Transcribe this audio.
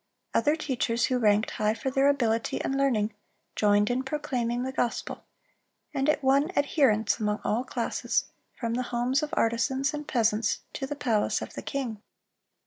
Other teachers who ranked high for their ability and learning, joined in proclaiming the gospel, and it won adherents among all classes, from the homes of artisans and peasants to the palace of the king.